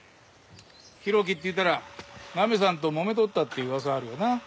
浩喜っていったらナミさんともめとったって噂あるよな。